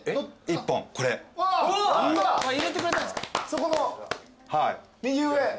そこの右上。